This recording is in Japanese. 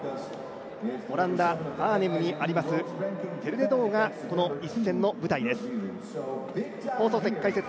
オランダ・アーネムにありますヘルレドームがこの一戦の舞台です。